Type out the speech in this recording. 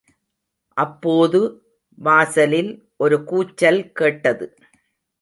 அப்போது – வாசலில் ஒரு கூச்சல் கேட்டது.